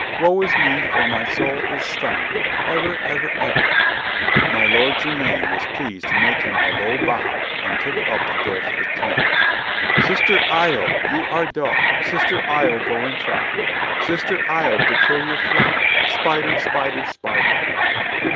Woe is me, for my soul is stung Ever! Ever! Ever! my Lord Jermyn was pleased to make him a low bow and took up the doleful tune : "WHY COME YE NOT TO COURT?" 129 Sister lo, you are dull; Sister lo, go and try, Sister lo, to kill your fly. Spider! Spider! Spider!